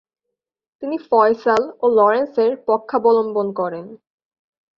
তিনি ফয়সাল ও লরেন্সের পক্ষাবলম্বন করেন।